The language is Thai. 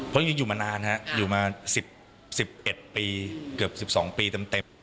เพราะอยู่มานานฮะอยู่มาสิบสิบเอ็ดปีเกือบสิบสองปีเต็ม